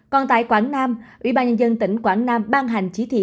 còn tại quảng nam ủy ban nhân dân tỉnh quảng nam ban hành chỉ thị